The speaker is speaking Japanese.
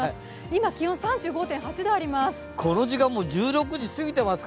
今、気温、３５．８度あります。